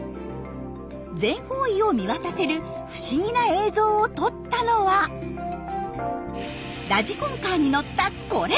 全方位を見渡せる不思議な映像を撮ったのはラジコンカーに乗ったこれ！